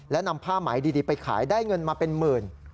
และนำผ้าไหมดีไปขายได้เงินมาเป็นหมื่น